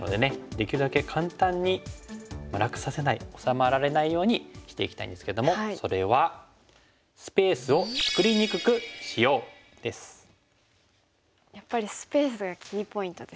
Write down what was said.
できるだけ簡単に楽させない治まられないようにしていきたいんですけどもそれはやっぱりスペースがキーポイントですかね。